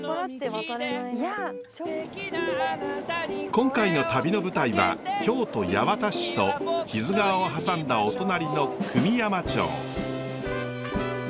今回の旅の舞台は京都八幡市と木津川を挟んだお隣の久御山町。